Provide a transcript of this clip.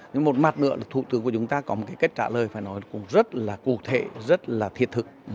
nhưng một mặt nữa là thủ tướng của chúng ta có một cái kết trả lời phải nói cũng rất là cụ thể rất là thiết thực